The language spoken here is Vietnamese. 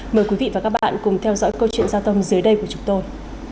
mời quý vị và các bạn cùng theo dõi câu chuyện giao thông dưới đây của chúng tôi